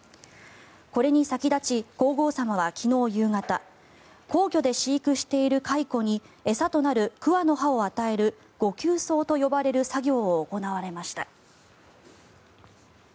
これに先立ち、皇后さまは昨日夕方皇居で飼育している蚕に餌となる桑の葉を与える御給桑と呼ばれる作業を行われました。